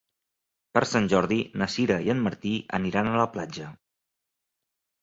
Per Sant Jordi na Sira i en Martí aniran a la platja.